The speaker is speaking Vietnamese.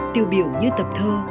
tiêu biểu như tập thơ